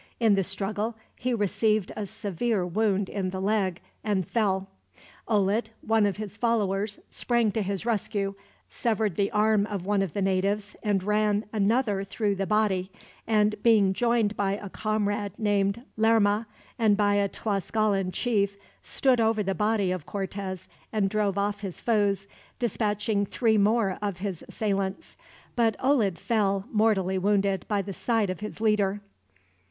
In the struggle he received a severe wound in the leg, and fell. Olid, one of his followers, sprang to his rescue, severed the arm of one of the natives, and ran another through the body; and being joined by a comrade named Lerma, and by a Tlascalan chief, stood over the body of Cortez and drove off his foes, dispatching three more of his assailants; but Olid fell, mortally wounded, by the side of his leader.